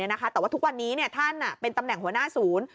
แต่ว่าทุกวันนี้ท่านเป็นตำแหน่งหัวหน้าศูนย์